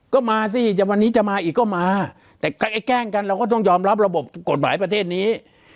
ก็มาสิวันนี้จะมาอีกก็มาแต่ไอ้แกล้งกันเราก็ต้องยอมรับระบบกฎหมายประเทศนี้